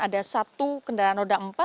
ada satu kendaraan roda empat